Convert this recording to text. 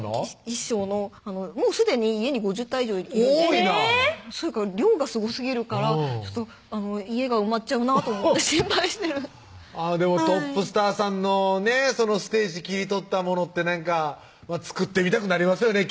衣装のすでに家に５０体以上いるんです多いなぁ量がすごすぎるから家が埋まっちゃうなと思って心配してるでもトップスターさんのそのステージ切り取ったものって作ってみたくなりますよね